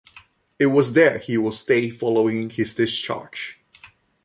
It was there he would stay following his discharge.